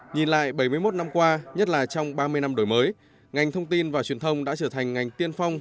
nhìn lại bảy mươi một năm qua nhất là trong ba mươi năm đổi mới ngành thông tin và truyền thông đã trở thành ngành tiên phong